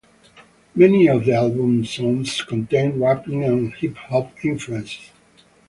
Many of the album songs contains rapping and hip hop influences.